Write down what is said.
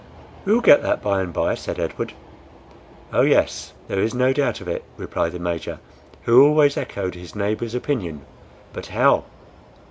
"We'll get that by and by," said Edward. "Oh, yes; there is no doubt of it," replied the Major, who always echoed his neighbor's opinion. "But how?"